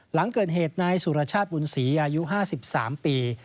หลังเกิดเหตุนายสุรชาติบุญศรีอายุ๕๓ปี